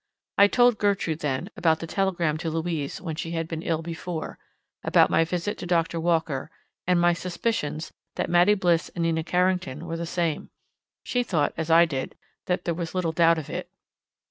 I told Gertrude, then, about the telegram to Louise when she had been ill before; about my visit to Doctor Walker, and my suspicions that Mattie Bliss and Nina Carrington were the same. She thought, as I did, that there was little doubt of it.